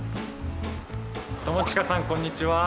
友近さんこんにちは。